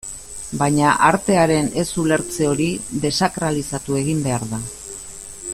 Baina, artearen ez-ulertze hori desakralizatu egin behar da.